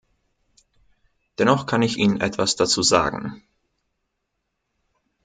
Dennoch kann ich Ihnen etwas dazu sagen.